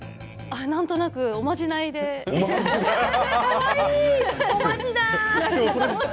なんとなくおまじないです。